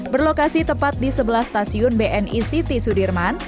berlokasi tepat di sebelah stasiun bni city sudirman